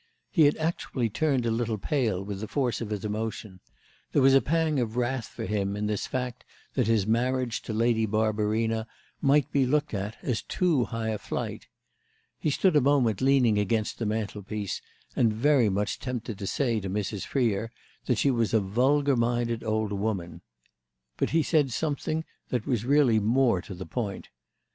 He had actually turned a little pale with the force of his emotion; there was a pang of wrath for him in this fact that his marriage to Lady Barbarina might be looked at as too high a flight. He stood a moment leaning against the mantelpiece and very much tempted to say to Mrs. Freer that she was a vulgar minded old woman. But he said something that was really more to the point.